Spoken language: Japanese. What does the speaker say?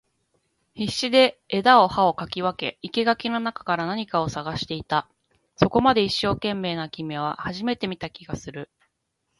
必死で枝を葉を掻き分け、生垣の中から何かを探していた。そこまで一生懸命な君は初めて見た気がする。